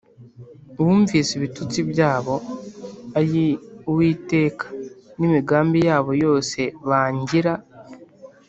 Wumvise ibitutsi byabo, ayii Uwiteka, N’imigambi yabo yose bangīra,